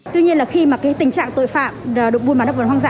tuy nhiên là khi mà tình trạng tội phạm buôn bán động vật hoang dã